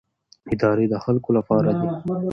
ادارې د خلکو لپاره دي